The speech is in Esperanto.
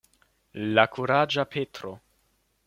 La kuraĝa Petro.